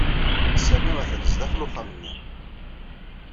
Sami atan sdaxel uxxam-nni.